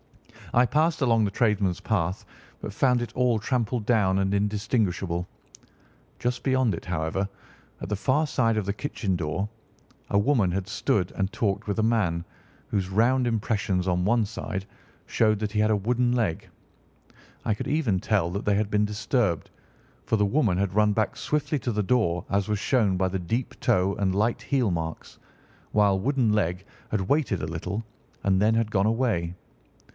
I passed along the tradesmen's path, but found it all trampled down and indistinguishable. Just beyond it, however, at the far side of the kitchen door, a woman had stood and talked with a man, whose round impressions on one side showed that he had a wooden leg. I could even tell that they had been disturbed, for the woman had run back swiftly to the door, as was shown by the deep toe and light heel marks, while Wooden leg had waited a little, and then had gone away.